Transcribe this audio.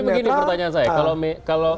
tapi begini pertanyaan saya